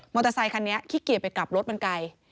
เตอร์ไซคันนี้ขี้เกียจไปกลับรถมันไกล